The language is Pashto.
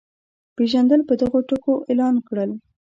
پېژندل په دغو ټکو اعلان کړل.